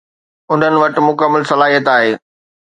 انهن وٽ مڪمل صلاحيت آهي